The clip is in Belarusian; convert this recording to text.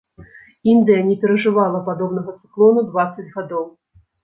Індыя не перажывала падобнага цыклону дваццаць гадоў.